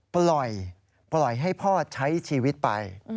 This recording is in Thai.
ปล่อยให้พ่อใช้ชีวิตไป